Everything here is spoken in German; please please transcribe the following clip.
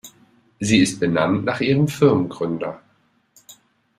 Sie ist benannt nach ihrem Firmengründer.